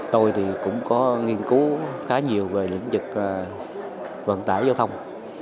tôi thì cũng có nghiên cứu khá nhiều về lĩnh vực vận tải giao thông